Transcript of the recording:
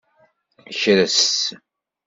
Kres.